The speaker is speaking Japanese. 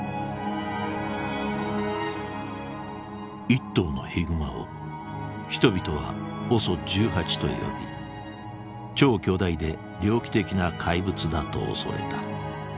一頭のヒグマを人々はＯＳＯ１８と呼び「超巨大で猟奇的な怪物」だと恐れた。